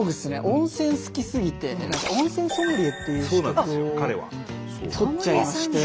温泉好きすぎて温泉ソムリエっていう資格を取っちゃいまして。